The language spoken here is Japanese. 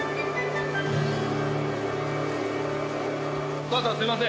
お母さんすいません。